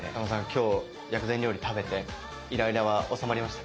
今日薬膳料理食べてイライラは治まりましたか？